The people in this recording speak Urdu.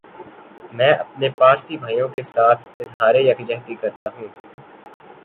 میں اپنے پارسی بھائیوں کیساتھ اظہار یک جہتی کرتا ھوں